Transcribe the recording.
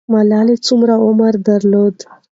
ملالۍ څومره عمر درلود؟